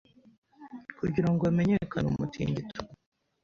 kugira ngo hamenyekane umutingito